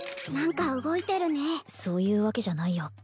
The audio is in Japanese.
何か動いてるねそういうわけじゃないよ